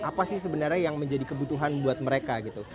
apa sih sebenarnya yang menjadi kebutuhan buat mereka gitu